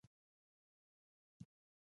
په زوټه يې وويل: تبه دې څنګه شوه؟